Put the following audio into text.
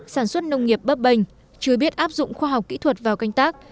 sản xuất nông nghiệp bấp bềnh chưa biết áp dụng khoa học kỹ thuật vào canh tác